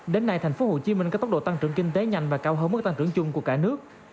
đến nay tp hcm có tốc độ tăng trưởng kinh tế nhanh và cao hơn mức tăng trưởng chung của cả nước